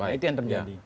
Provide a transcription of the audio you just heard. ya itu yang terjadi